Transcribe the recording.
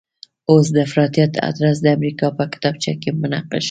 اوس د افراطیت ادرس د امریکا په کتابچه کې منقش دی.